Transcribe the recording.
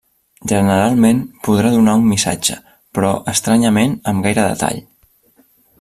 Generalment podrà donar un missatge, però estranyament amb gaire detall.